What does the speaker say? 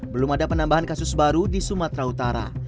belum ada penambahan kasus baru di sumatera utara